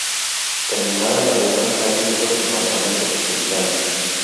Terminada la guerra fue miembro del parlamento prusiano.